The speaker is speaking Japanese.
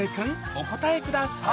お答えください